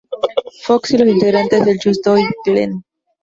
Fox y los integrantes del Just Do It Clan.